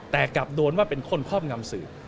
แต่กลับโดนว่าเป็นคนครอบงำสื่อ